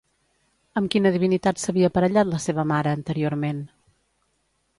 Amb quina divinitat s'havia aparellat la seva mare, anteriorment?